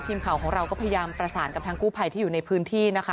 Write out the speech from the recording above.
ทีมข่าวของเราก็พยายามประสานกับทางกู้ภัยที่อยู่ในพื้นที่นะคะ